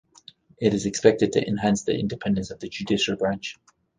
It is expected to enhance the independence of the judicial branch.